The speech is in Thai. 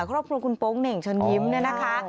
ขอบคุณคุณโป๊งเน่งเชิญยิ้มเนี่ยนะคะอ๋อ